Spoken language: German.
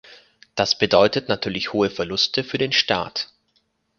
Das bedeutet natürlich hohe Verluste für den Staat.